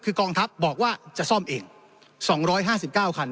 คือกองทัพบอกว่าจะซ่อมเองสองร้อยห้าสิบเก้าคัน